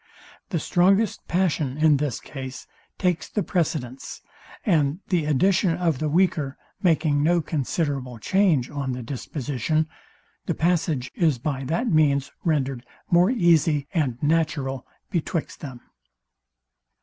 The strongest passion in this case takes the precedence; and the addition of the weaker making no considerable change on the disposition, the passage is by that means rendered more easy and natural betwixt them.